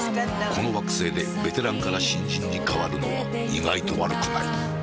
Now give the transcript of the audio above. この惑星でベテランから新人に変わるのも意外と悪くない。